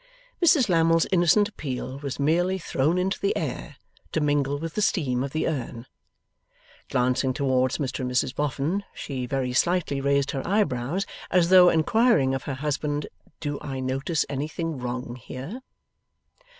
Mrs Lammle's innocent appeal was merely thrown into the air, to mingle with the steam of the urn. Glancing towards Mr and Mrs Boffin, she very slightly raised her eyebrows, as though inquiring of her husband: 'Do I notice anything wrong here?